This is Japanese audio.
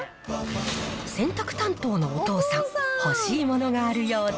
洗濯担当のお父さん、欲しいものがあるようで。